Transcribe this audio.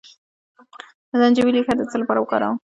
د زنجبیل ریښه د څه لپاره وکاروم؟